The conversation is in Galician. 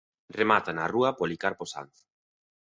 Remata na rúa Policarpo Sanz.